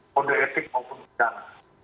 pada etik maupun politik